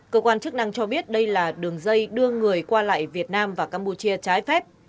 cơ quan chức năng cho biết đây là đường dây đưa người qua lại việt nam và campuchia trái phép